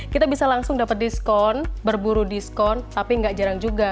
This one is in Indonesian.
kita bisa langsung dapat diskon berburu diskon tapi gak jarang juga